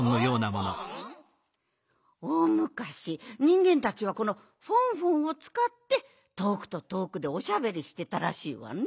おおむかしにんげんたちはこのフォンフォンをつかってとおくととおくでおしゃべりしてたらしいわね。